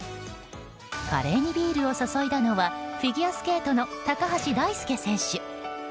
華麗にビールをそそいだのはフィギュアスケートの高橋大輔選手。